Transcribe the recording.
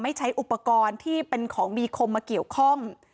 ใช้อุปกรณ์ที่เป็นของมีคมมาเกี่ยวข้อง